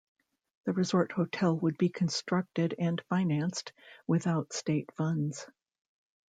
The resort hotel would be constructed and financed without state funds.